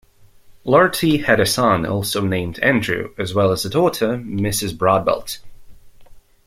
Lortie had a son also named Andrew as well as a daughter, Mrs. Brodbelt.